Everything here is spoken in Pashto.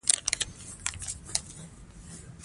رسوب د افغانستان د طبیعي پدیدو یو رنګ دی.